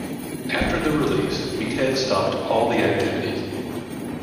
After the release Meathead stopped all the activities.